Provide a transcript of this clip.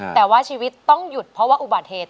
แต่ว่าชีวิตต้องหยุดเพราะว่าอุบัติเหตุ